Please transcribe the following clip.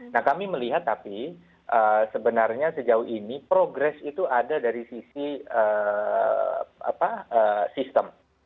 nah kami melihat tapi sebenarnya sejauh ini progres itu ada dari sisi sistem